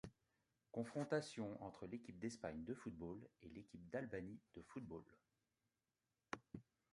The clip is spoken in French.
Confrontations entre l'équipe d'Espagne de football et l'équipe d'Albanie de football.